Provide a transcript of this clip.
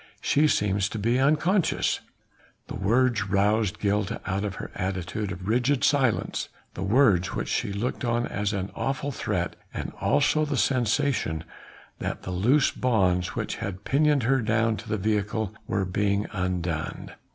She seems to be unconscious." The words roused Gilda out of her attitude of rigid silence, the words which she looked on as an awful threat, and also the sensation that the loose bonds which had pinioned her down to the vehicle were being undone.